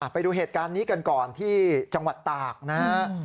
ไปดูเหตุการณ์นี้กันก่อนที่จังหวัดตากนะฮะ